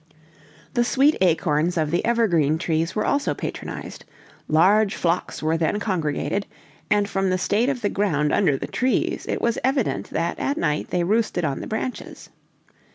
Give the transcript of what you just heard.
The sweet acorns of the evergreen oaks were also patronized; large flocks were then congregated; and from the state of the ground under the trees it was evident that at night they roosted on the branches.